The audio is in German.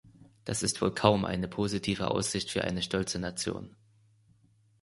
Das ist wohl kaum eine positive Aussicht für eine stolze Nation.